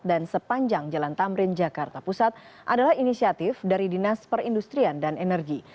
dan sepanjang jalan tamrin jakarta pusat adalah inisiatif dari dinas perindustrian dan energi